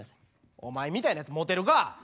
お前みたいなやつモテるか。